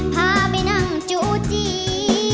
พาไปนั่งจูจี